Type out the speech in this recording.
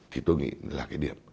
thì tôi nghĩ là cái điểm